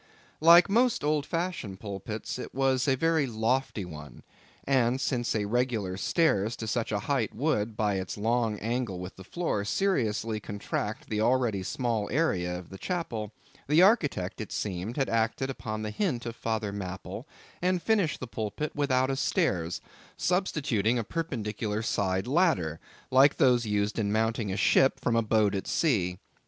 Like most old fashioned pulpits, it was a very lofty one, and since a regular stairs to such a height would, by its long angle with the floor, seriously contract the already small area of the chapel, the architect, it seemed, had acted upon the hint of Father Mapple, and finished the pulpit without a stairs, substituting a perpendicular side ladder, like those used in mounting a ship from a boat at sea.